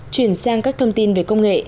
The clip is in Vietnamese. chuyển sang các thông tin về công nghệ